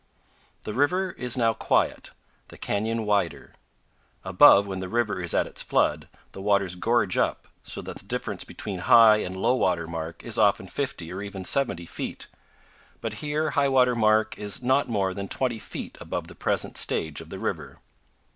The river is now quiet; the canyon wider. Above, when the river is at its flood, the waters gorge up, so that the difference between high and low water mark is often 50 or even 70 feet, but here high water mark is not more than 20 feet above the present stage of the river.